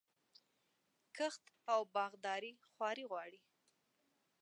کښت او باغداري خواري غواړي.